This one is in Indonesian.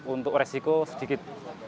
untuk resiko sedikit